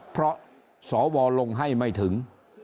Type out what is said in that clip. เพราะสวลงให้ไม่ถึง